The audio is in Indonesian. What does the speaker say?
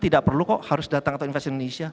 tidak perlu kok harus datang atau investasi indonesia